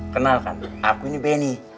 kenalkan aku ini benny